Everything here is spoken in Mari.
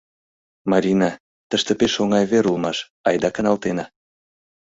Марина, тыште пеш оҥай вер улмаш, айда каналтена.